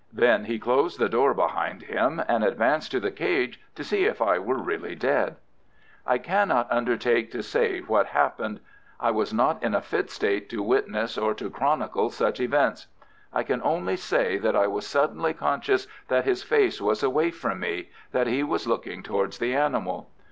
Then he closed the door behind him, and advanced to the cage to see if I were really dead. I cannot undertake to say what happened. I was not in a fit state to witness or to chronicle such events. I can only say that I was suddenly conscious that his face was away from me—that he was looking towards the animal.